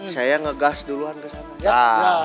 saya ngegas duluan kesana yah